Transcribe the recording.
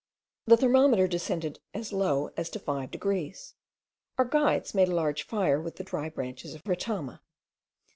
The thermometer descended as low as to five degrees. Our guides made a large fire with the dry branches of retama.